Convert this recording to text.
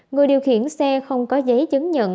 người điều khiển xe không có giấy chứng nhận